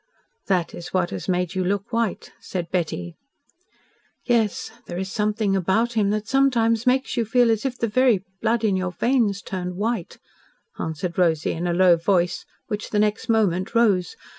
"That is what has made you look white," said Betty. "Yes. There is something about him that sometimes makes you feel as if the very blood in your veins turned white," answered Rosy in a low voice, which the next moment rose.